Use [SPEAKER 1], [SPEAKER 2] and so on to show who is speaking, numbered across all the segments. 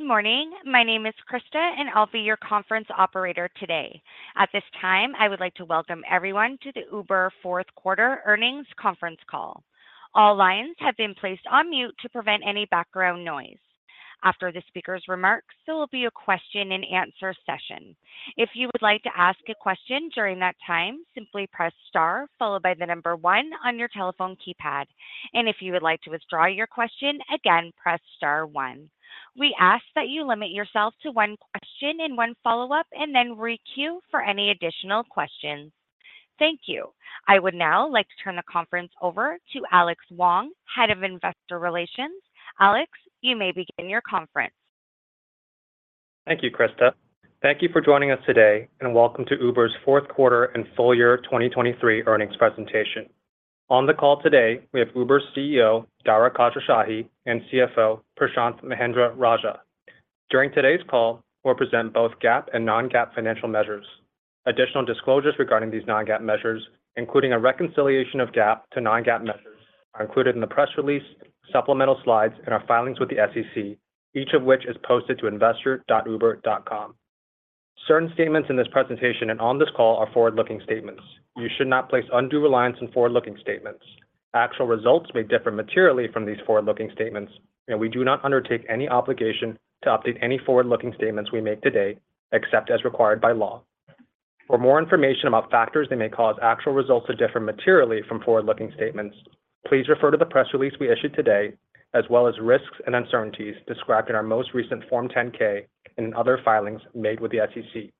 [SPEAKER 1] Good morning. My name is Krista, and I'll be your conference operator today. At this time, I would like to welcome everyone to the Uber Fourth Quarter Earnings Conference Call. All lines have been placed on mute to prevent any background noise. After the speaker's remarks, there will be a question-and-answer session. If you would like to ask a question during that time, simply press star, followed by the number one on your telephone keypad. If you would like to withdraw your question, again, press star one. We ask that you limit yourself to one question and one follow-up, and then re-queue for any additional questions. Thank you. I would now like to turn the conference over to Alex Wang, Head of Investor Relations. Alex, you may begin your conference.
[SPEAKER 2] Thank you, Krista. Thank you for joining us today, and welcome to Uber's fourth quarter and full year of 2023 earnings presentation. On the call today, we have Uber's CEO, Dara Khosrowshahi, and CFO, Prashanth Mahendra-Rajah. During today's call, we'll present both GAAP and non-GAAP financial measures. Additional disclosures regarding these non-GAAP measures, including a reconciliation of GAAP to non-GAAP measures, are included in the press release, supplemental slides, and our filings with the SEC, each of which is posted to investor.uber.com. Certain statements in this presentation and on this call are forward-looking statements. You should not place undue reliance on forward-looking statements. Actual results may differ materially from these forward-looking statements, and we do not undertake any obligation to update any forward-looking statements we make today, except as required by law. For more information about factors that may cause actual results to differ materially from forward-looking statements, please refer to the press release we issued today, as well as risks and uncertainties described in our most recent Form 10-K and in other filings made with the SEC.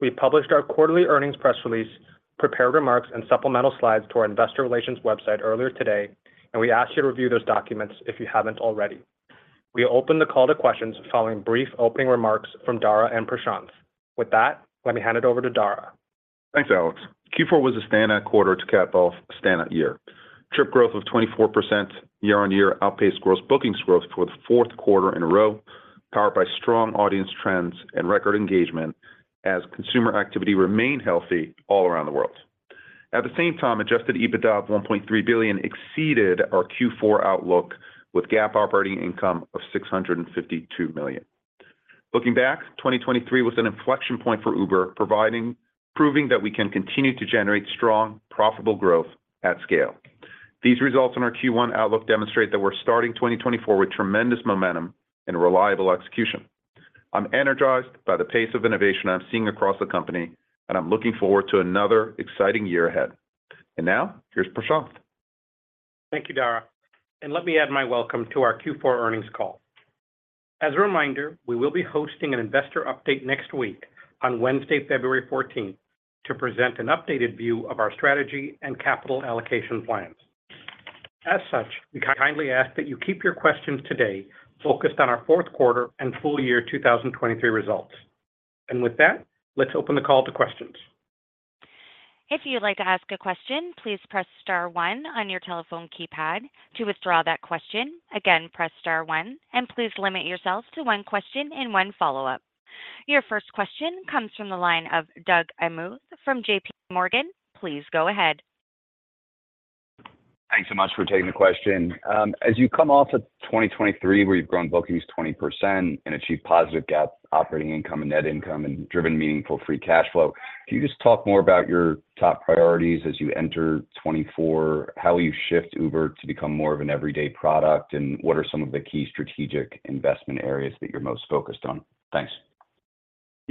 [SPEAKER 2] We published our quarterly earnings press release, prepared remarks, and supplemental slides to our investor relations website earlier today, and we ask you to review those documents if you haven't already. We open the call to questions following brief opening remarks from Dara and Prashanth. With that, let me hand it over to Dara.
[SPEAKER 3] Thanks, Alex. Q4 was a standout quarter to cap off a standout year. Trip growth of 24% year-on-year outpaced gross bookings growth for the fourth quarter in a row, powered by strong audience trends and record engagement as consumer activity remained healthy all around the world. At the same time, adjusted EBITDA of $1.3 billion exceeded our Q4 outlook, with GAAP operating income of $652 million. Looking back, 2023 was an inflection point for Uber, proving that we can continue to generate strong, profitable growth at scale. These results in our Q1 outlook demonstrate that we're starting 2024 with tremendous momentum and reliable execution. I'm energized by the pace of innovation I'm seeing across the company, and I'm looking forward to another exciting year ahead. And now, here's Prashanth.
[SPEAKER 4] Thank you, Dara, and let me add my welcome to our Q4 earnings call. As a reminder, we will be hosting an investor update next week on Wednesday, February 14, to present an updated view of our strategy and capital allocation plans. As such, we kindly ask that you keep your questions today focused on our fourth quarter and full year 2023 results. With that, let's open the call to questions.
[SPEAKER 1] If you'd like to ask a question, please press star one on your telephone keypad. To withdraw that question, again, press star one, and please limit yourselves to one question and one follow-up. Your first question comes from the line of Doug Anmuth from J.P. Morgan. Please go ahead.
[SPEAKER 5] Thanks so much for taking the question. As you come off of 2023, where you've grown bookings 20% and achieved positive GAAP operating income and net income, and driven meaningful free cash flow, can you just talk more about your top priorities as you enter 2024? How will you shift Uber to become more of an everyday product, and what are some of the key strategic investment areas that you're most focused on?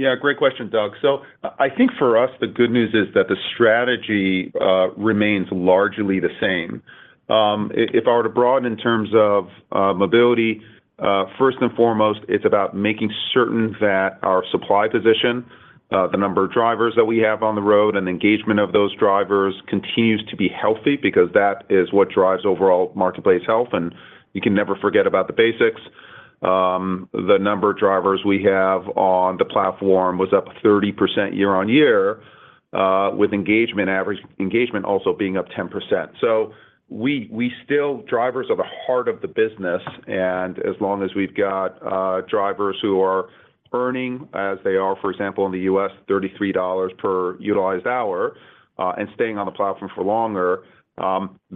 [SPEAKER 5] Thanks.
[SPEAKER 3] Yeah, great question, Doug. So I think for us, the good news is that the strategy remains largely the same. If I were to broaden in terms of mobility, first and foremost, it's about making certain that our supply position, the number of drivers that we have on the road, and the engagement of those drivers continues to be healthy because that is what drives overall marketplace health, and you can never forget about the basics. The number of drivers we have on the platform was up 30% year-on-year, with average engagement also being up 10%. So we still... Drivers are the heart of the business, and as long as we've got drivers who are earning as they are, for example, in the US, $33 per utilized hour, and staying on the platform for longer,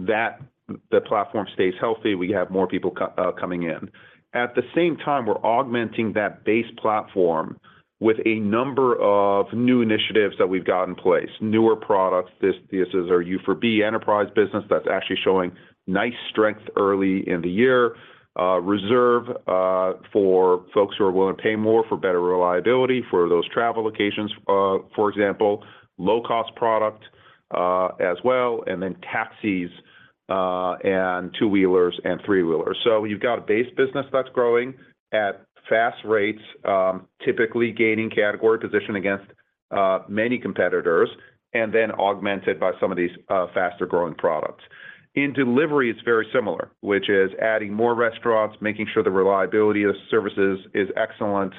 [SPEAKER 3] that the platform stays healthy, we have more people coming in. At the same time, we're augmenting that base platform with a number of new initiatives that we've got in place, newer products. This, this is our U4B enterprise business that's actually showing nice strength early in the year. Reserve, for folks who are willing to pay more for better reliability for those travel occasions, for example, low cost product, as well, and then taxis, and two-wheelers and three-wheelers. So you've got a base business that's growing at fast rates, typically gaining category position against many competitors, and then augmented by some of these faster-growing products. In delivery, it's very similar, which is adding more restaurants, making sure the reliability of services is excellent.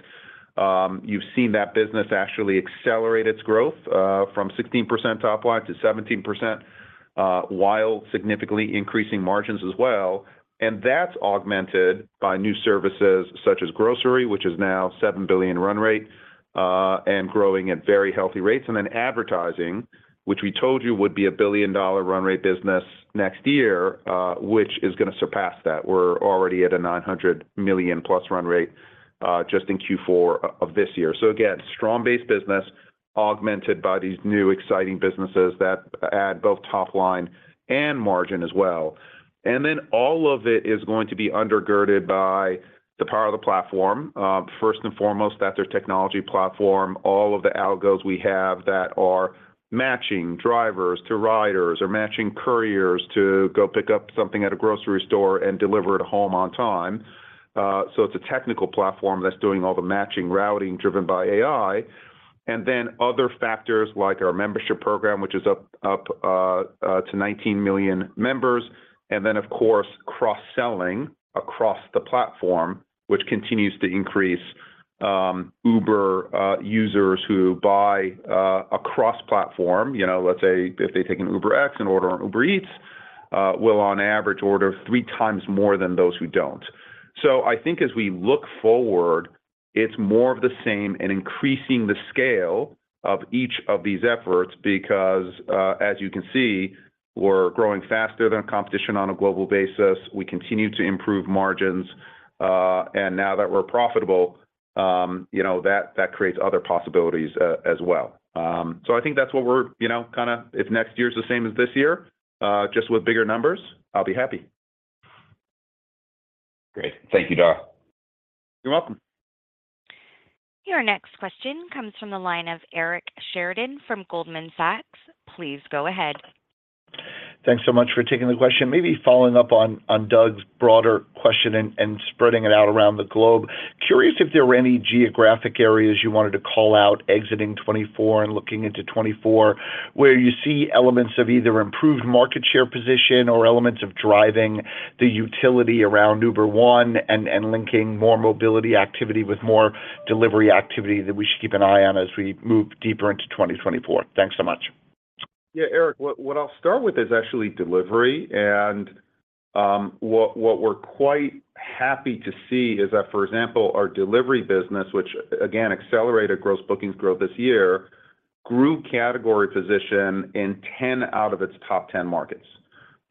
[SPEAKER 3] You've seen that business actually accelerate its growth from 16% top line to 17% while significantly increasing margins as well, and that's augmented by new services such as grocery, which is now $7 billion run rate and growing at very healthy rates. And then advertising, which we told you would be a billion-dollar run rate business next year, which is gonna surpass that. We're already at a $900 million-plus run rate just in Q4 of this year. So again, strong base business augmented by these new exciting businesses that add both top line and margin as well. And then all of it is going to be undergirded by the power of the platform. First and foremost, that's their technology platform, all of the algos we have that are matching drivers to riders or matching couriers to go pick up something at a grocery store and deliver it home on time. So it's a technical platform that's doing all the matching, routing, driven by AI, and then other factors like our membership program, which is up to 19 million members, and then, of course, cross-selling across the platform, which continues to increase. Uber users who buy across platform, you know, let's say if they take an UberX and order on Uber Eats, will on average order three times more than those who don't. So I think as we look forward, it's more of the same and increasing the scale of each of these efforts because, as you can see, we're growing faster than our competition on a global basis. We continue to improve margins, and now that we're profitable, you know, that, that creates other possibilities, as well. So I think that's what we're, you know, kind of. If next year's the same as this year, just with bigger numbers, I'll be happy.
[SPEAKER 5] Great. Thank you, Dara.
[SPEAKER 3] You're welcome.
[SPEAKER 1] Your next question comes from the line of Eric Sheridan from Goldman Sachs. Please go ahead.
[SPEAKER 6] Thanks so much for taking the question. Maybe following up on, on Doug's broader question and, and spreading it out around the globe, curious if there were any geographic areas you wanted to call out exiting 2024 and looking into 2024, where you see elements of either improved market share position or elements of driving the utility around Uber One and, and linking more mobility activity with more delivery activity that we should keep an eye on as we move deeper into 2024? Thanks so much.
[SPEAKER 3] Yeah, Eric, what I'll start with is actually delivery, and what we're quite happy to see is that, for example, our delivery business, which again accelerated gross bookings growth this year, grew category position in 10 out of its top 10 markets.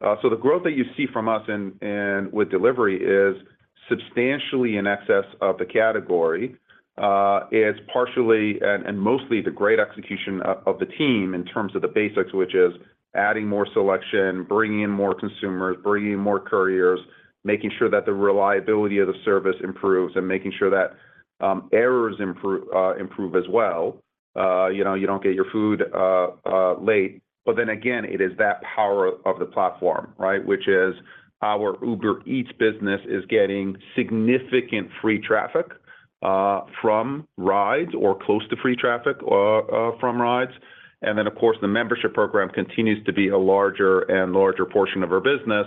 [SPEAKER 3] So the growth that you see from us in with delivery is substantially in excess of the category, is partially and mostly the great execution of the team in terms of the basics, which is adding more selection, bringing in more consumers, bringing in more couriers, making sure that the reliability of the service improves, and making sure that errors improve as well. You know, you don't get your food late. But then again, it is that power of the platform, right? Which is our Uber Eats business is getting significant free traffic from rides or close to free traffic from rides. And then, of course, the membership program continues to be a larger and larger portion of our business.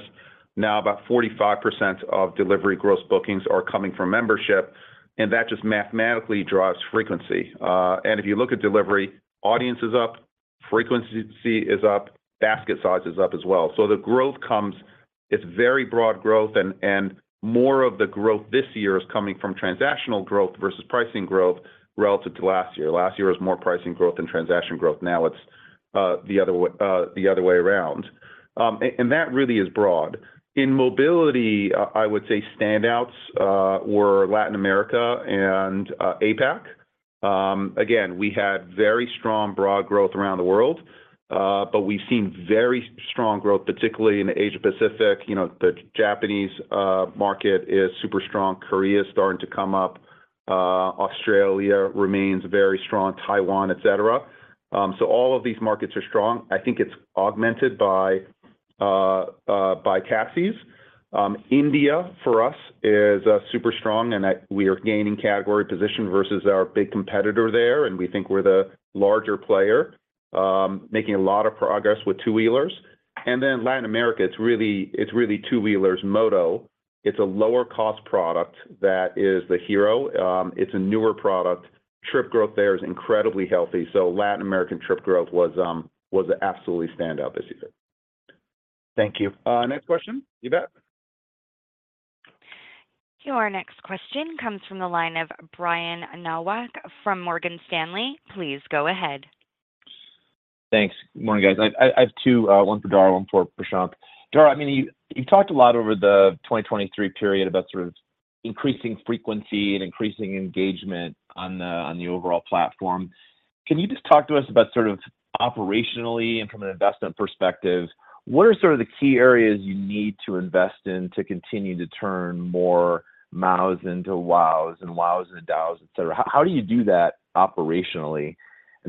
[SPEAKER 3] Now, about 45% of delivery gross bookings are coming from membership, and that just mathematically drives frequency. And if you look at delivery, audience is up, frequency is up, basket size is up as well. So the growth comes... It's very broad growth, and more of the growth this year is coming from transactional growth versus pricing growth relative to last year. Last year was more pricing growth than transaction growth. Now it's the other way, the other way around, and that really is broad. In mobility, I would say standouts were Latin America and APAC. Again, we had very strong broad growth around the world, but we've seen very strong growth, particularly in the Asia Pacific. You know, the Japanese market is super strong. Korea is starting to come up, Australia remains very strong, Taiwan, et cetera. So all of these markets are strong. I think it's augmented by taxis. India, for us, is super strong and that we are gaining category position versus our big competitor there, and we think we're the larger player, making a lot of progress with two-wheelers. And then Latin America, it's really, it's really two-wheelers, Moto. It's a lower-cost product that is the hero, it's a newer product. Trip growth there is incredibly healthy, so Latin American trip growth was absolutely stand out this season.
[SPEAKER 6] Thank you.
[SPEAKER 3] Next question. You bet.
[SPEAKER 1] Your next question comes from the line of Brian Nowak from Morgan Stanley. Please go ahead.
[SPEAKER 7] Thanks. Good morning, guys. I have two, one for Dara, one for Prashanth. Dara, I mean, you've talked a lot over the 2023 period about sort of increasing frequency and increasing engagement on the overall platform. Can you just talk to us about sort of operationally and from an investment perspective, what are sort of the key areas you need to invest in to continue to turn more MAUs into WAUs and WAUs into DAUs, et cetera? How do you do that operationally?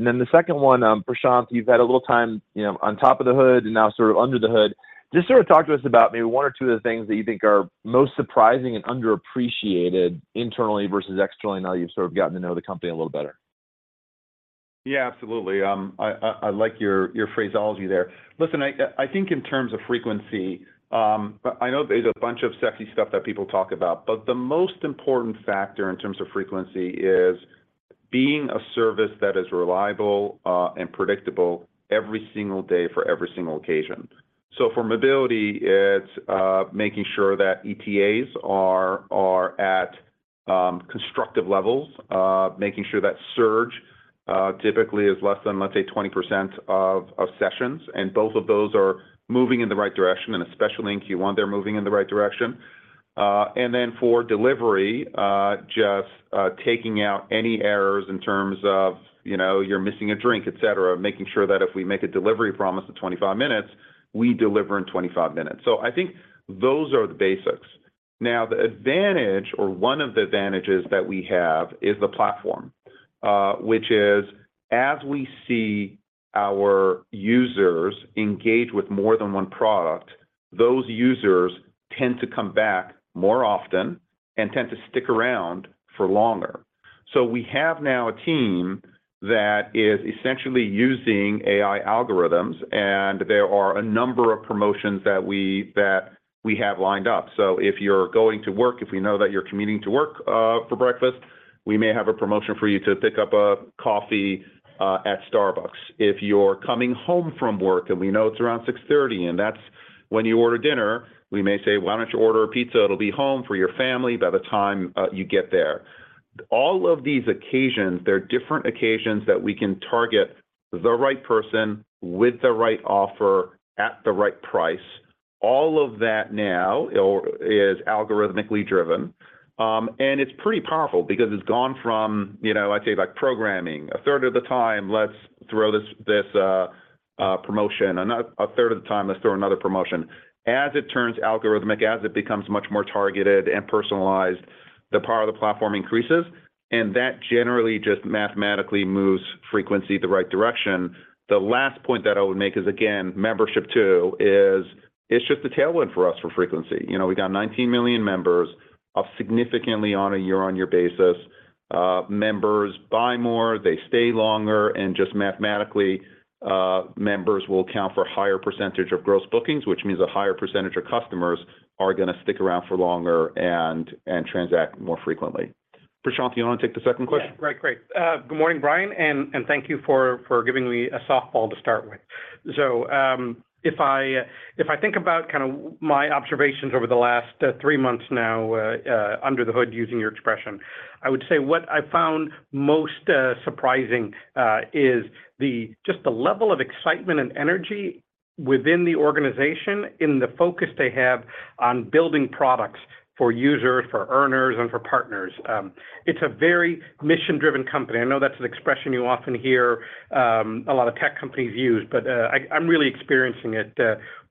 [SPEAKER 7] And then the second one, Prashanth, you've had a little time, you know, on top of the hood and now sort of under the hood. Just sort of talk to us about maybe one or two of the things that you think are most surprising and underappreciated internally versus externally, now that you've sort of gotten to know the company a little better?
[SPEAKER 3] Yeah, absolutely. I like your phraseology there. Listen, I think in terms of frequency, but I know there's a bunch of sexy stuff that people talk about, but the most important factor in terms of frequency is being a service that is reliable and predictable every single day for every single occasion. So for mobility, it's making sure that ETAs are at constructive levels, making sure that surge typically is less than, let's say, 20% of sessions, and both of those are moving in the right direction, and especially in Q1, they're moving in the right direction. And then for delivery, just taking out any errors in terms of, you know, you're missing a drink, et cetera. Making sure that if we make a delivery promise of 25 minutes, we deliver in 25 minutes. So I think those are the basics. Now, the advantage or one of the advantages that we have is the platform, which is, as we see our users engage with more than one product, those users tend to come back more often and tend to stick around for longer. So we have now a team that is essentially using AI algorithms, and there are a number of promotions that we have lined up. So if you're going to work, if we know that you're commuting to work, for breakfast, we may have a promotion for you to pick up a coffee at Starbucks. If you're coming home from work, and we know it's around 6:30 P.M., and that's when you order dinner, we may say, "Why don't you order a pizza? It'll be home for your family by the time you get there." All of these occasions, they're different occasions that we can target the right person with the right offer at the right price. All of that now is algorithmically driven, and it's pretty powerful because it's gone from, you know, I'd say, like, programming. A third of the time, let's throw this promotion, another—a third of the time, let's throw another promotion. As it turns algorithmic, as it becomes much more targeted and personalized, the power of the platform increases, and that generally just mathematically moves frequency the right direction. The last point that I would make is, again, membership, too, is it's just a tailwind for us for frequency. You know, we got 19 million members, up significantly on a year-on-year basis. Members buy more, they stay longer, and just mathematically, members will account for a higher percentage of gross bookings, which means a higher percentage of customers are gonna stick around for longer and transact more frequently. Prashanth, do you want to take the second question?
[SPEAKER 4] Yeah, right. Great. Good morning, Brian, and thank you for giving me a softball to start with. So, if I think about kinda my observations over the last three months now, under the hood, using your expression, I would say what I found most surprising is just the level of excitement and energy within the organization and the focus they have on building products for users, for earners, and for partners. It's a very mission-driven company. I know that's an expression you often hear, a lot of tech companies use, but I'm really experiencing it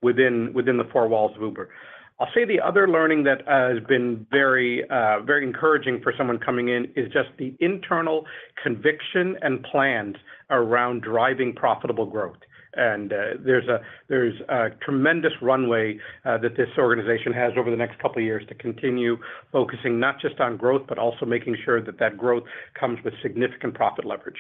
[SPEAKER 4] within the four walls of Uber. I'll say the other learning that has been very encouraging for someone coming in is just the internal conviction and plans around driving profitable growth. There's a tremendous runway that this organization has over the next couple of years to continue focusing not just on growth, but also making sure that that growth comes with significant profit leverage.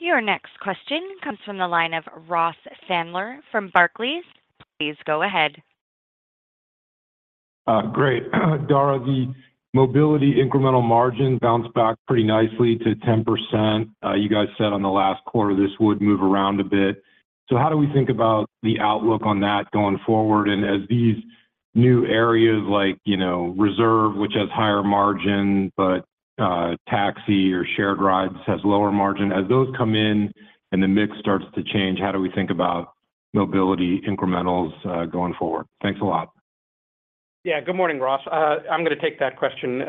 [SPEAKER 1] Your next question comes from the line of Ross Sandler from Barclays. Please go ahead.
[SPEAKER 8] Great. Dara, the mobility incremental margin bounced back pretty nicely to 10%. You guys said on the last quarter, this would move around a bit. So how do we think about the outlook on that going forward? And as these new areas like, you know, Reserve, which has higher margin, but Taxi or Shared Rides has lower margin, as those come in and the mix starts to change, how do we think about mobility incrementals going forward? Thanks a lot.
[SPEAKER 4] Yeah. Good morning, Ross. I'm gonna take that question.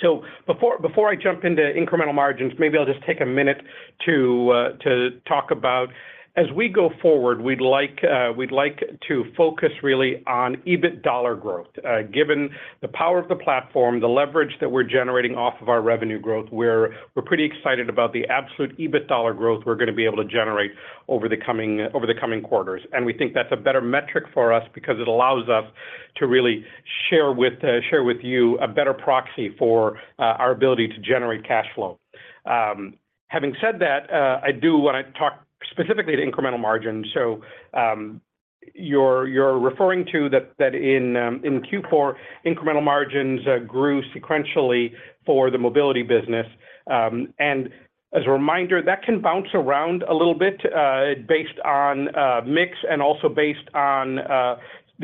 [SPEAKER 4] So before I jump into incremental margins, maybe I'll just take a minute to talk about... As we go forward, we'd like to focus really on EBIT dollar growth. Given the power of the platform, the leverage that we're generating off of our revenue growth, we're pretty excited about the absolute EBIT dollar growth we're gonna be able to generate over the coming quarters. And we think that's a better metric for us because it allows us to really share with you a better proxy for our ability to generate cash flow. Having said that, I do want to talk specifically to incremental margins. So, you're referring to that in Q4, incremental margins grew sequentially for the mobility business. And as a reminder, that can bounce around a little bit based on mix and also based on the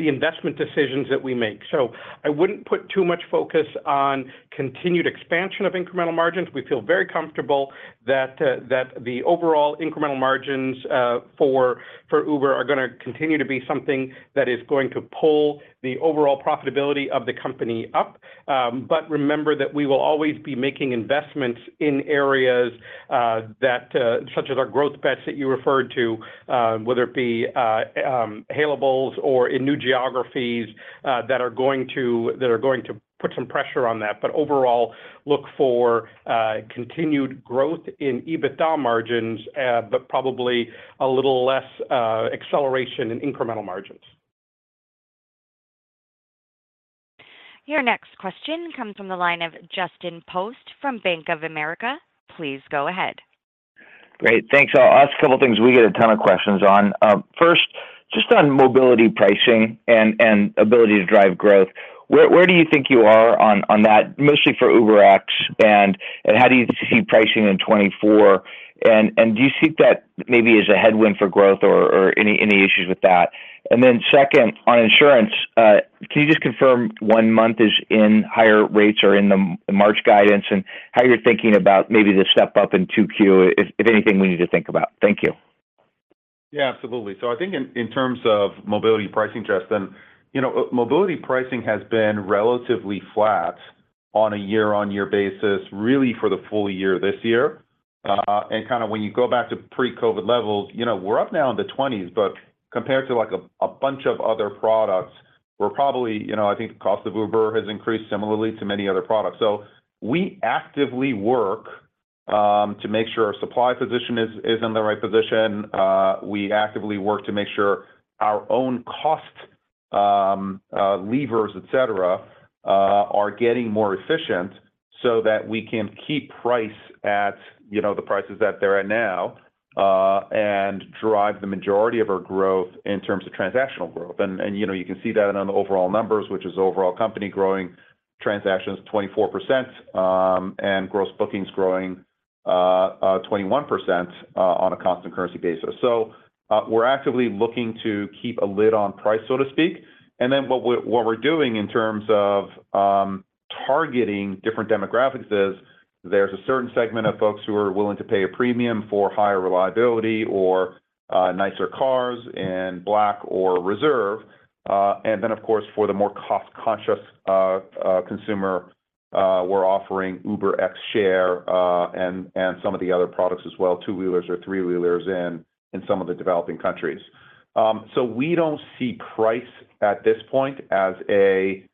[SPEAKER 4] investment decisions that we make. So I wouldn't put too much focus on continued expansion of incremental margins. We feel very comfortable that the overall incremental margins for Uber are gonna continue to be something that is going to pull the overall profitability of the company up. But remember that we will always be making investments in areas that such as our growth bets that you referred to, whether it be hailables or in new geographies that are going to put some pressure on that. But overall, look for continued growth in EBITDA margins, but probably a little less acceleration in incremental margins.
[SPEAKER 1] Your next question comes from the line of Justin Post from Bank of America. Please go ahead....
[SPEAKER 9] Great. Thanks. I'll ask a couple of things we get a ton of questions on. First, just on mobility pricing and ability to drive growth, where do you think you are on that, mostly for UberX? And how do you see pricing in 2024? And do you see that maybe as a headwind for growth or any issues with that? And then second, on insurance, can you just confirm Q1 is in higher rates or in the March guidance, and how you're thinking about maybe the step up in 2Q, if anything, we need to think about. Thank you.
[SPEAKER 3] Yeah, absolutely. So I think in terms of mobility pricing, Justin, you know, mobility pricing has been relatively flat on a year-on-year basis, really for the full year this year. And kind of when you go back to pre-COVID levels, you know, we're up now in the twenties, but compared to like a bunch of other products, we're probably, you know, I think the cost of Uber has increased similarly to many other products. So we actively work to make sure our supply position is in the right position. We actively work to make sure our own cost levers, et cetera, are getting more efficient so that we can keep price at, you know, the prices that they're at now, and drive the majority of our growth in terms of transactional growth. You know, you can see that on the overall numbers, which is overall company growing transactions 24%, and gross bookings growing 21% on a constant currency basis. So, we're actively looking to keep a lid on price, so to speak. And then what we're doing in terms of targeting different demographics is, there's a certain segment of folks who are willing to pay a premium for higher reliability or nicer cars and Black or Reserve. And then, of course, for the more cost-conscious consumer, we're offering UberX Share, and some of the other products as well, two-wheelers or three-wheelers in some of the developing countries. So we don't see price at this point as a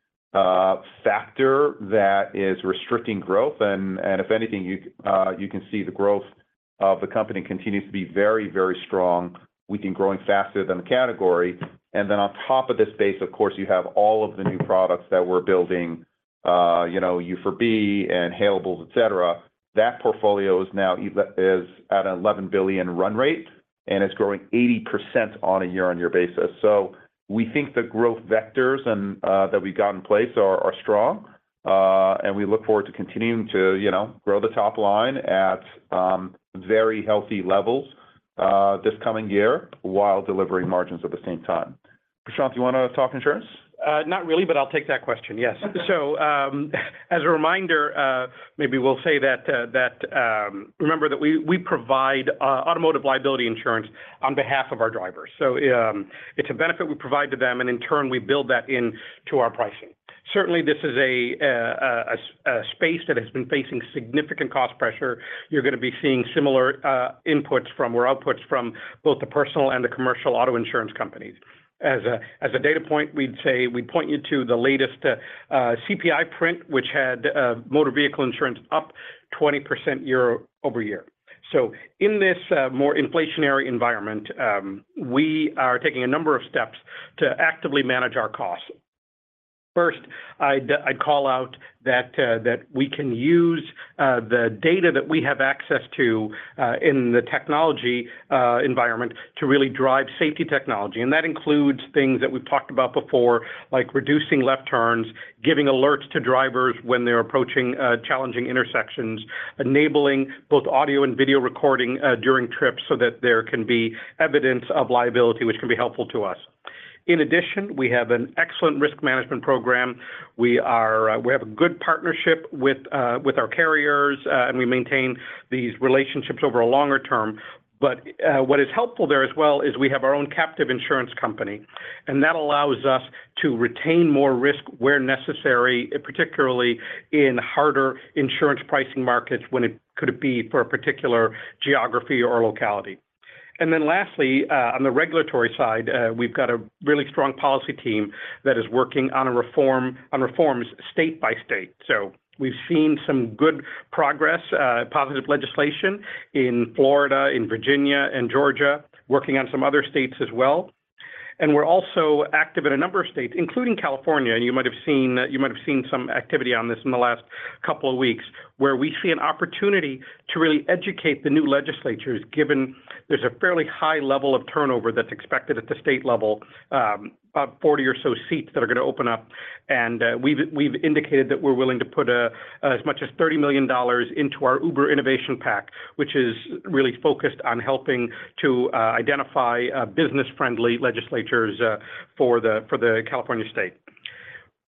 [SPEAKER 3] factor that is restricting growth, and if anything, you can see the growth of the company continues to be very, very strong. We think growing faster than the category, and then on top of this base, of course, you have all of the new products that we're building, you know, U4B and Hailables, et cetera. That portfolio is now at a $11 billion run rate, and it's growing 80% on a year-on-year basis. So we think the growth vectors and that we've got in place are strong, and we look forward to continuing to, you know, grow the top line at very healthy levels this coming year while delivering margins at the same time. Prashanth, do you want to talk insurance?
[SPEAKER 4] Not really, but I'll take that question. Yes. So, as a reminder, maybe we'll say that, remember that we provide automotive liability insurance on behalf of our drivers, so, it's a benefit we provide to them, and in turn, we build that into our pricing. Certainly, this is a space that has been facing significant cost pressure. You're gonna be seeing similar inputs from or outputs from both the personal and the commercial auto insurance companies. As a data point, we'd say we'd point you to the latest CPI print, which had motor vehicle insurance up 20% year-over-year. So in this more inflationary environment, we are taking a number of steps to actively manage our costs. First, I'd call out that we can use the data that we have access to in the technology environment to really drive safety technology, and that includes things that we've talked about before, like reducing left turns, giving alerts to drivers when they're approaching challenging intersections, enabling both audio and video recording during trips so that there can be evidence of liability, which can be helpful to us. In addition, we have an excellent risk management program. We have a good partnership with our carriers, and we maintain these relationships over a longer term. But what is helpful there as well is we have our own captive insurance company, and that allows us to retain more risk where necessary, particularly in harder insurance pricing markets, when it could be for a particular geography or locality. Then lastly, on the regulatory side, we've got a really strong policy team that is working on reforms state by state. So we've seen some good progress, positive legislation in Florida, in Virginia, and Georgia, working on some other states as well. And we're also active in a number of states, including California. You might have seen some activity on this in the last couple of weeks, where we see an opportunity to really educate the new legislatures, given there's a fairly high level of turnover that's expected at the state level, about 40 or so seats that are gonna open up. We've, we've indicated that we're willing to put as much as $30 million into our Uber Innovation PAC, which is really focused on helping to identify business-friendly legislatures for the, for the California state.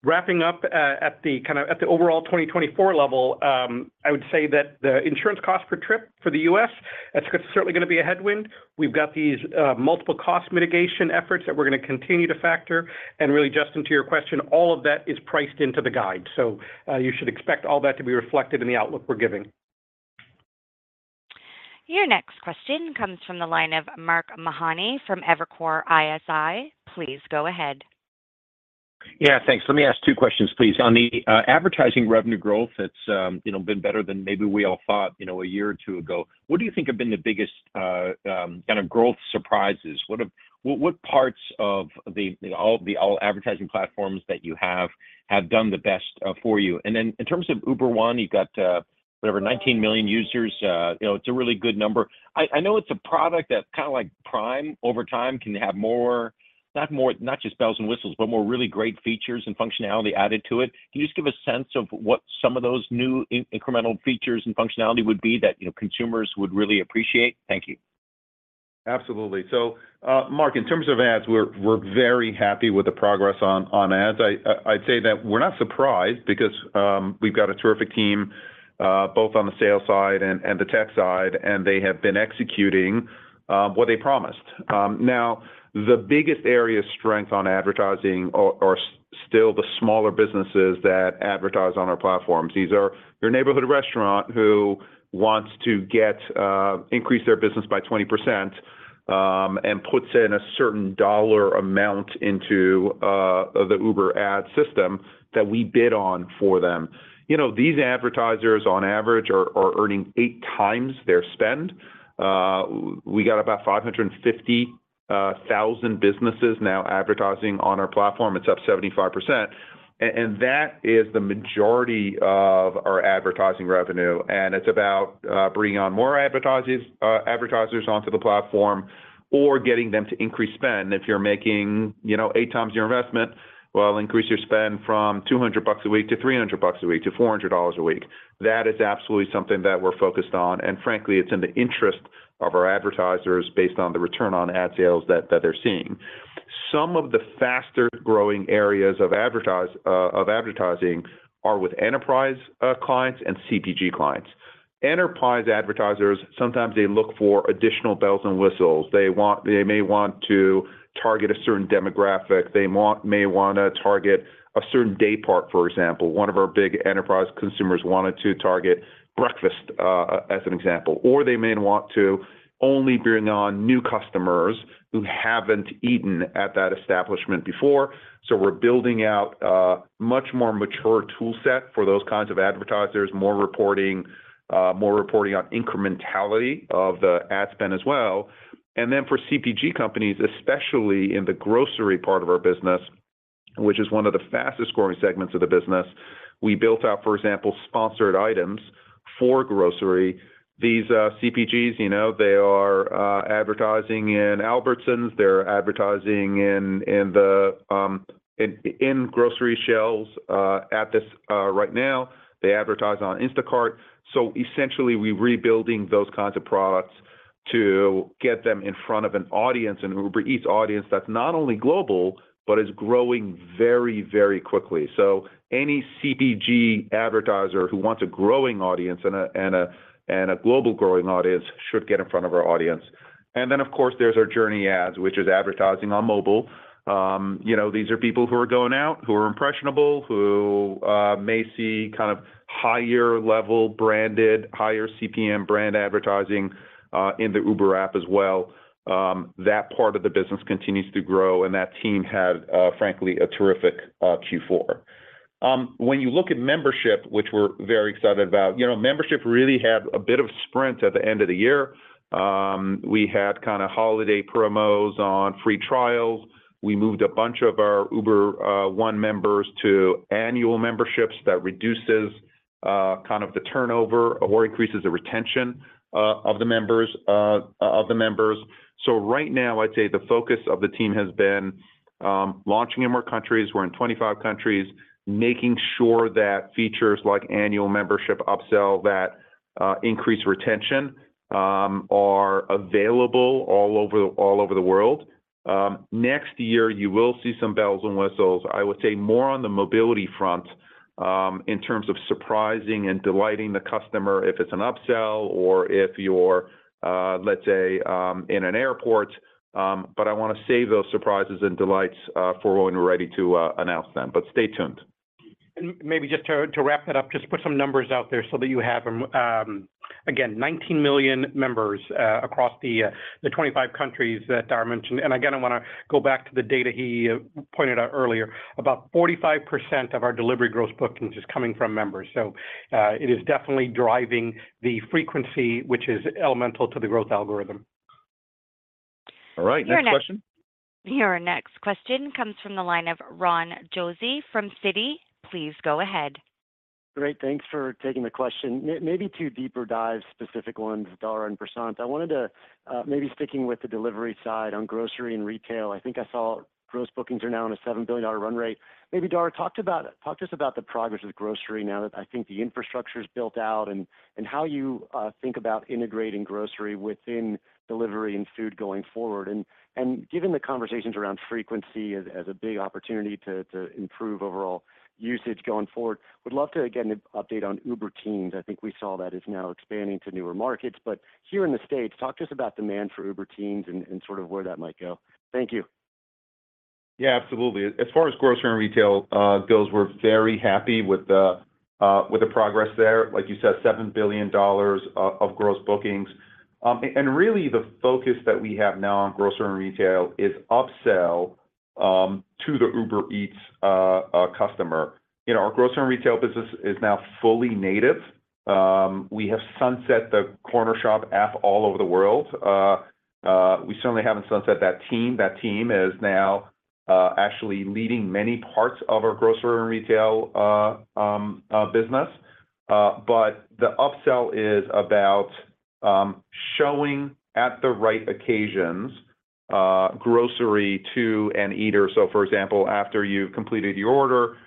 [SPEAKER 4] Wrapping up, kind of at the overall 2024 level, I would say that the insurance cost per trip for the U.S., that's certainly gonna be a headwind. We've got these multiple cost mitigation efforts that we're gonna continue to factor. And really, Justin, to your question, all of that is priced into the guide, so you should expect all that to be reflected in the outlook we're giving.
[SPEAKER 1] Your next question comes from the line of Mark Mahaney from Evercore ISI. Please go ahead. ...
[SPEAKER 10] Yeah, thanks. Let me ask two questions, please. On the advertising revenue growth, it's you know, been better than maybe we all thought, you know, a year or two ago. What do you think have been the biggest kind of growth surprises? What have—what parts of the overall advertising platforms that you have have done the best for you? And then in terms of Uber One, you've got whatever 19 million users, you know, it's a really good number. I know it's a product that's kind of like Prime over time, can have more, not just bells and whistles, but more really great features and functionality added to it. Can you just give a sense of what some of those new incremental features and functionality would be that, you know, consumers would really appreciate? Thank you.
[SPEAKER 3] Absolutely. So, Mark, in terms of ads, we're very happy with the progress on ads. I'd say that we're not surprised because we've got a terrific team, both on the sales side and the tech side, and they have been executing what they promised. Now, the biggest area of strength on advertising are still the smaller businesses that advertise on our platforms. These are your neighborhood restaurant who wants to get increase their business by 20%, and puts in a certain dollar amount into the Uber ad system that we bid on for them. You know, these advertisers, on average, are earning 8x their spend. We got about 550,000 businesses now advertising on our platform. It's up 75%, and that is the majority of our advertising revenue, and it's about bringing on more advertisers onto the platform or getting them to increase spend. If you're making, you know, 8 times your investment, well, increase your spend from $200 a week to $300 a week to $400 a week. That is absolutely something that we're focused on, and frankly, it's in the interest of our advertisers based on the return on ad spend that they're seeing. Some of the faster-growing areas of advertising are with enterprise clients and CPG clients. Enterprise advertisers, sometimes they look for additional bells and whistles. They want, they may want to target a certain demographic. They want, may wanna target a certain day part, for example. One of our big enterprise consumers wanted to target breakfast, as an example, or they may want to only bring on new customers who haven't eaten at that establishment before. So we're building out a much more mature toolset for those kinds of advertisers, more reporting, more reporting on incrementality of the ad spend as well. And then for CPG companies, especially in the grocery part of our business, which is one of the fastest-growing segments of the business, we built out, for example, Sponsored Items for grocery. These, CPGs, you know, they are, advertising in Albertsons, they're advertising in the grocery shelves, at this, right now. They advertise on Instacart. So essentially, we're rebuilding those kinds of products to get them in front of an audience, an Uber Eats audience, that's not only global but is growing very, very quickly. So any CPG advertiser who wants a growing audience and a global growing audience should get in front of our audience. And then, of course, there's our Journey Ads, which is advertising on mobile. You know, these are people who are going out, who are impressionable, who may see kind of higher level branded, higher CPM brand advertising in the Uber app as well. That part of the business continues to grow, and that team had, frankly, a terrific Q4. When you look at membership, which we're very excited about, you know, membership really had a bit of sprint at the end of the year. We had kind of holiday promos on free trials. We moved a bunch of our Uber One members to annual memberships. That reduces kind of the turnover or increases the retention of the members. So right now, I'd say the focus of the team has been launching in more countries. We're in 25 countries, making sure that features like annual membership, upsell, that increase retention are available all over the world. Next year, you will see some bells and whistles. I would say more on the mobility front, in terms of surprising and delighting the customer, if it's an upsell or if you're, let's say, in an airport, but I wanna save those surprises and delights for when we're ready to announce them. But stay tuned.
[SPEAKER 10] Maybe just to wrap that up, just put some numbers out there so that you have them. Again, 19 million members across the 25 countries that Dara mentioned. And again, I wanna go back to the data he pointed out earlier. About 45% of our delivery gross bookings is coming from members, so it is definitely driving the frequency, which is elemental to the growth algorithm.
[SPEAKER 3] All right, next question?
[SPEAKER 1] Your next question comes from the line of Ron Josey from Citi. Please go ahead.
[SPEAKER 11] Great, thanks for taking the question. Maybe two deeper dive specific ones, Dara and Prashanth. I wanted to maybe sticking with the delivery side on grocery and retail, I think I saw gross bookings are now on a $7 billion run rate. Maybe, Dara, talk to us about the progress with grocery now that I think the infrastructure is built out, and how you think about integrating grocery within delivery and food going forward. And given the conversations around frequency as a big opportunity to improve overall usage going forward, would love to again update on Uber Teens. I think we saw that is now expanding to newer markets, but here in the States, talk to us about demand for Uber Teens and sort of where that might go. Thank you.
[SPEAKER 3] Yeah, absolutely. As far as grocery and retail goes, we're very happy with the progress there, like you said, $7 billion of gross bookings. And really the focus that we have now on grocery and retail is upsell to the Uber Eats customer. You know, our grocery and retail business is now fully native. We have sunset the Cornershop app all over the world. We certainly haven't sunset that team. That team is now actually leading many parts of our grocery and retail business. But the upsell is about showing at the right occasions grocery to an eater. So for example, after you've completed your order,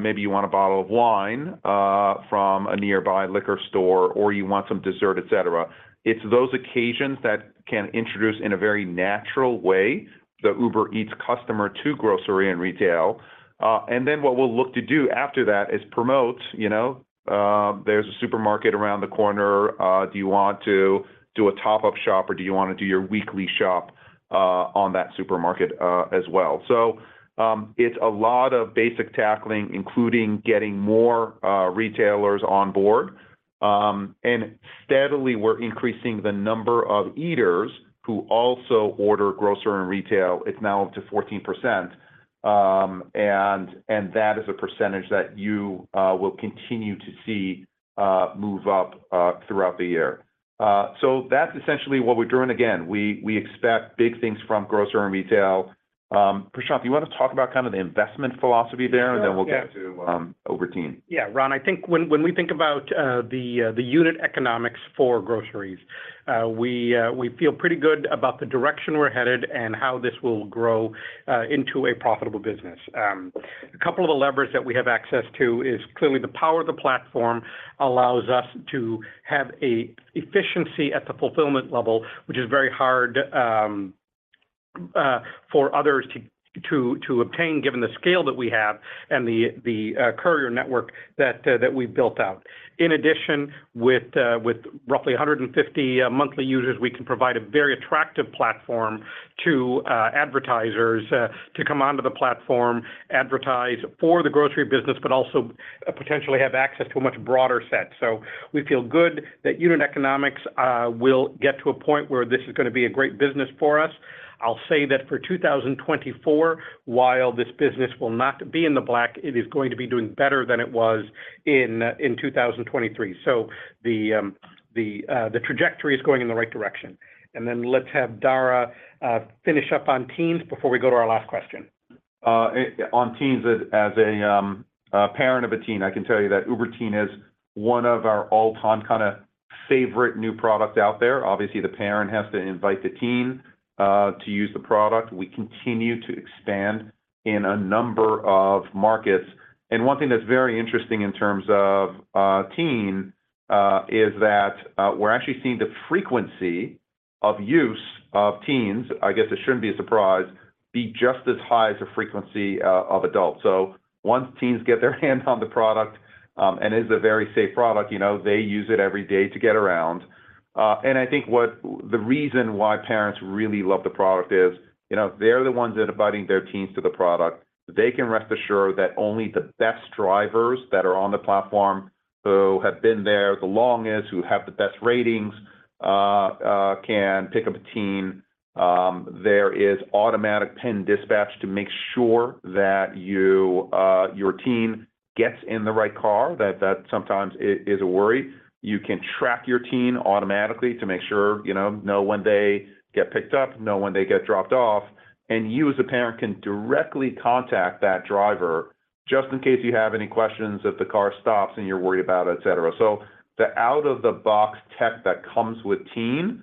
[SPEAKER 3] maybe you want a bottle of wine from a nearby liquor store, or you want some dessert, et cetera. It's those occasions that can introduce, in a very natural way, the Uber Eats customer to grocery and retail. Then what we'll look to do after that is promote, you know, there's a supermarket around the corner, do you want to do a top-up shop, or do you wanna do your weekly shop on that supermarket, as well? It's a lot of basic tackling, including getting more retailers on board. Steadily, we're increasing the number of eaters who also order grocery and retail. It's now up to 14%, and that is a percentage that you will continue to see move up throughout the year. That's essentially what we're doing. Again, we expect big things from grocery and retail. Prashanth, do you want to talk about kind of the investment philosophy there-
[SPEAKER 4] Sure, yeah.
[SPEAKER 3] - and then we'll get to Uber Teen?
[SPEAKER 4] Yeah, Ron, I think when we think about the unit economics for groceries, we feel pretty good about the direction we're headed and how this will grow into a profitable business. A couple of the levers that we have access to is clearly the power of the platform allows us to have an efficiency at the fulfillment level, which is very hard for others to obtain, given the scale that we have and the courier network that we've built out. In addition, with roughly 150 monthly users, we can provide a very attractive platform to advertisers to come onto the platform, advertise for the grocery business, but also potentially have access to a much broader set. So we feel good that unit economics will get to a point where this is gonna be a great business for us. I'll say that for 2024, while this business will not be in the black, it is going to be doing better than it was in 2023. So the trajectory is going in the right direction. And then let's have Dara finish up on Teens before we go to our last question.
[SPEAKER 3] On Teens, as a parent of a teen, I can tell you that Uber Teen is one of our all-time kinda favorite new product out there. Obviously, the parent has to invite the teen to use the product. We continue to expand in a number of markets. One thing that's very interesting in terms of Teen is that we're actually seeing the frequency of use of teens. I guess it shouldn't be a surprise, just as high as the frequency of adults. So once teens get their hands on the product, and it's a very safe product, you know, they use it every day to get around. And I think what the reason why parents really love the product is, you know, they're the ones that are inviting their teens to the product. They can rest assured that only the best drivers that are on the platform, who have been there the longest, who have the best ratings, can pick up a teen. There is automatic PIN dispatch to make sure that you, your teen gets in the right car, that sometimes is a worry. You can track your teen automatically to make sure, you know, know when they get picked up, know when they get dropped off. And you, as a parent, can directly contact that driver just in case you have any questions, if the car stops and you're worried about, et cetera. So the out-of-the-box tech that comes with Teen,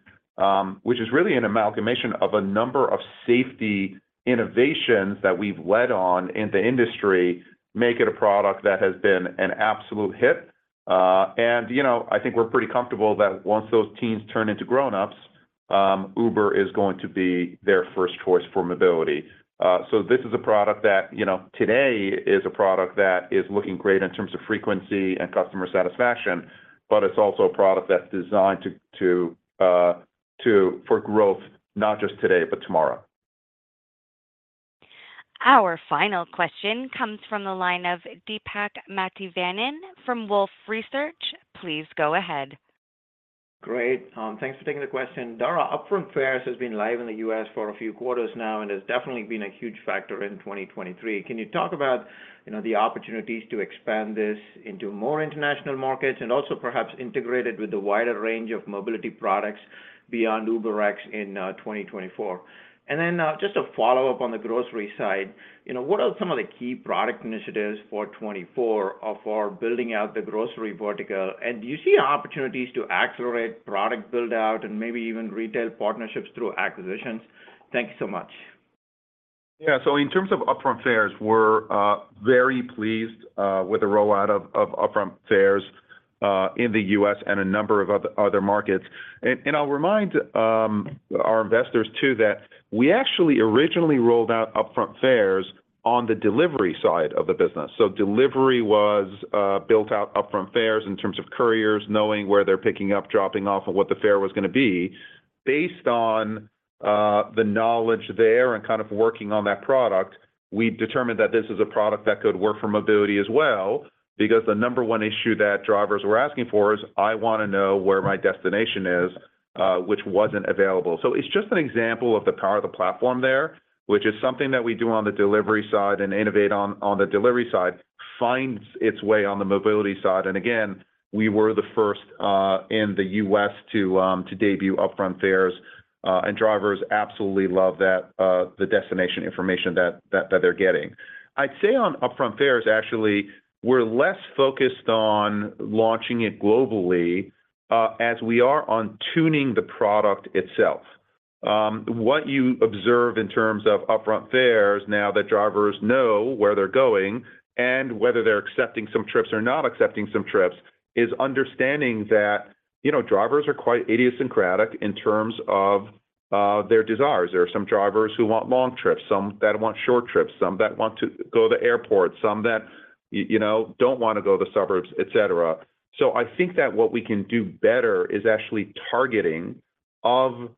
[SPEAKER 3] which is really an amalgamation of a number of safety innovations that we've led on in the industry, make it a product that has been an absolute hit. And, you know, I think we're pretty comfortable that once those teens turn into grown-ups, Uber is going to be their first choice for mobility. So this is a product that, you know, today, is a product that is looking great in terms of frequency and customer satisfaction, but it's also a product that's designed for growth, not just today, but tomorrow.
[SPEAKER 1] Our final question comes from the line of Deepak Mathivanan from Wolfe Research. Please go ahead.
[SPEAKER 12] Great. Thanks for taking the question. Dara, Upfront Fares has been live in the U.S. for a few quarters now and has definitely been a huge factor in 2023. Can you talk about, you know, the opportunities to expand this into more international markets and also perhaps integrate it with the wider range of mobility products beyond UberX in 2024? And then, just a follow-up on the grocery side, you know, what are some of the key product initiatives for 2024 for building out the grocery vertical? And do you see opportunities to accelerate product build-out and maybe even retail partnerships through acquisitions? Thank you so much.
[SPEAKER 3] Yeah. So in terms of Upfront Fares, we're very pleased with the rollout of Upfront Fares in the U.S. and a number of other markets. And I'll remind our investors, too, that we actually originally rolled out Upfront Fares on the delivery side of the business. So delivery was built out Upfront Fares in terms of couriers, knowing where they're picking up, dropping off, and what the fare was gonna be. Based on the knowledge there and kind of working on that product, we determined that this is a product that could work for mobility as well, because the number one issue that drivers were asking for is, "I wanna know where my destination is," which wasn't available. So it's just an example of the power of the platform there, which is something that we do on the delivery side and innovate on, on the delivery side, finds its way on the mobility side. And again, we were the first in the U.S. to debut Upfront Fares, and drivers absolutely love that, the destination information that they're getting. I'd say on Upfront Fares, actually, we're less focused on launching it globally, as we are on tuning the product itself. What you observe in terms of Upfront Fares now that drivers know where they're going and whether they're accepting some trips or not accepting some trips, is understanding that, you know, drivers are quite idiosyncratic in terms of their desires. There are some drivers who want long trips, some that want short trips, some that want to go to the airport, some that, you know, don't wanna go to the suburbs, et cetera. So I think that what we can do better is actually targeting of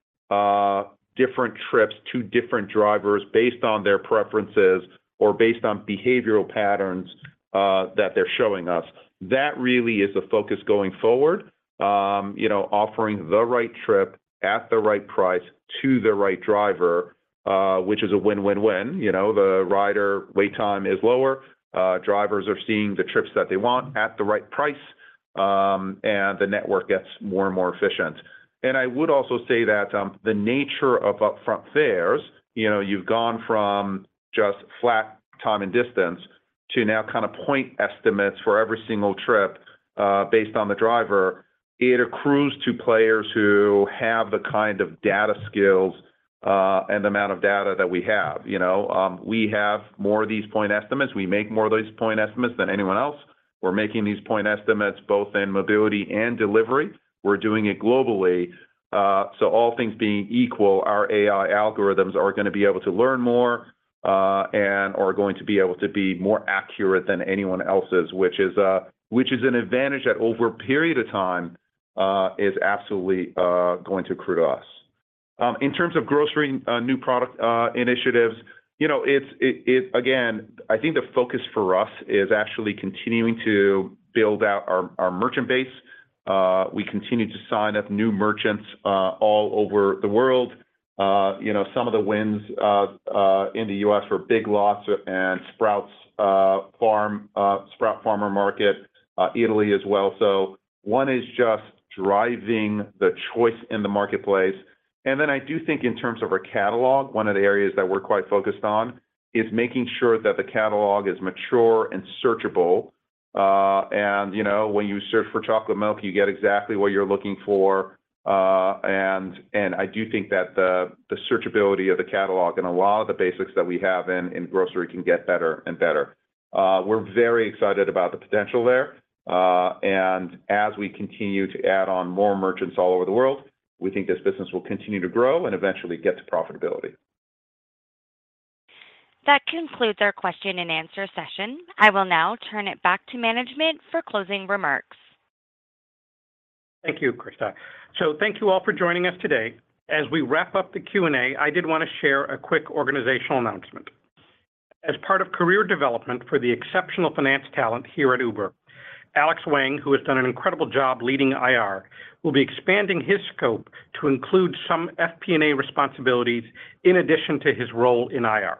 [SPEAKER 3] different trips to different drivers based on their preferences or based on behavioral patterns that they're showing us. That really is the focus going forward, you know, offering the right trip at the right price to the right driver, which is a win-win-win. You know, the rider wait time is lower, drivers are seeing the trips that they want at the right price, and the network gets more and more efficient. And I would also say that, the nature of Upfront Fares, you know, you've gone from just flat time and distance to now kind of point estimates for every single trip, based on the driver. It accrues to players who have the kind of data skills, and the amount of data that we have. You know, we have more of these point estimates. We make more of these point estimates than anyone else. We're making these point estimates both in mobility and delivery. We're doing it globally. So all things being equal, our AI algorithms are gonna be able to learn more, and are going to be able to be more accurate than anyone else's, which is an advantage that, over a period of time, is absolutely going to accrue to us. In terms of grocery, new product initiatives, you know, it's again, I think the focus for us is actually continuing to build out our merchant base. We continue to sign up new merchants all over the world. You know, some of the wins in the U.S. were Big Lots and Sprouts Farmers Market, Eataly as well. So one is just driving the choice in the marketplace. And then I do think in terms of our catalog, one of the areas that we're quite focused on is making sure that the catalog is mature and searchable. And you know, when you search for chocolate milk, you get exactly what you're looking for. I do think that the searchability of the catalog and a lot of the basics that we have in grocery can get better and better. We're very excited about the potential there. As we continue to add on more merchants all over the world, we think this business will continue to grow and eventually get to profitability.
[SPEAKER 1] That concludes our question and answer session. I will now turn it back to management for closing remarks.
[SPEAKER 4] Thank you, Krista. Thank you all for joining us today. As we wrap up the Q&A, I did want to share a quick organizational announcement. As part of career development for the exceptional finance talent here at Uber, Alex Wang, who has done an incredible job leading IR, will be expanding his scope to include some FP&A responsibilities in addition to his role in IR.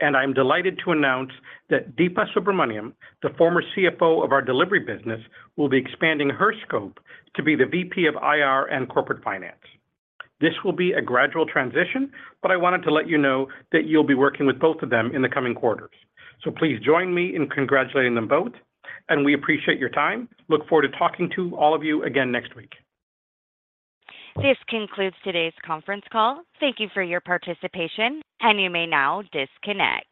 [SPEAKER 4] I'm delighted to announce that Deepa Subramanian, the former CFO of our delivery business, will be expanding her scope to be the VP of IR and corporate finance. This will be a gradual transition, but I wanted to let you know that you'll be working with both of them in the coming quarters. Please join me in congratulating them both, and we appreciate your time. Look forward to talking to all of you again next week.
[SPEAKER 1] This concludes today's conference call. Thank you for your participation, and you may now disconnect.